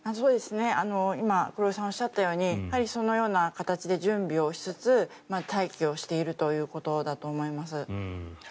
今、黒井さんがおっしゃったようにそのような形で準備をしつつ待機をしているということだと思います。